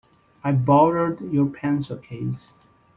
I borrowed your pencil case.